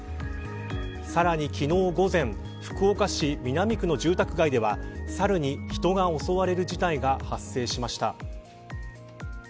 さらに昨日午前福岡市南区の住宅街ではサルに人が襲われる事態が発生しました。